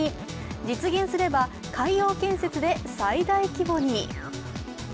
実現すれば海洋建設で最大規模に。